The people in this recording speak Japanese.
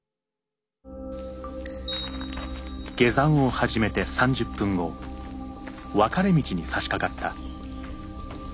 下山を始めて３０分後分かれ道にさしかかった。